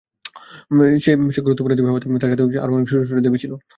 সে গুরুত্বপূর্ণ দেবী হওয়াতে তার সাথে আরো অনেক ছোট ছোট দেবী ছিল।